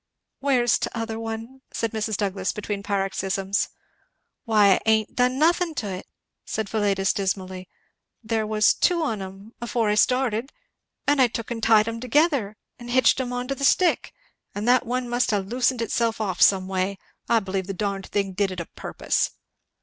"Where's t'other one?" said Mrs. Douglass between paroxysms. "Why I ha'n't done nothin' to it," said Philetus dismally, there was teu on 'em afore I started, and I took and tied 'em together and hitched 'em onto the stick, and that one must ha' loosened itself off some way. I believe the darned thing did it o' purpose."